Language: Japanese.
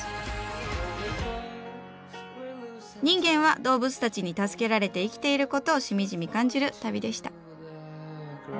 人間は動物たちに助けられて生きていることをしみじみ感じる旅でした。